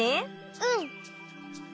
うん。